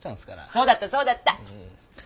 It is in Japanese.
そうだったそうだった！